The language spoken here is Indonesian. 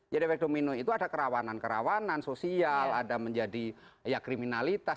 jadi efek domino itu ada kerawanan kerawanan sosial ada menjadi kriminalitas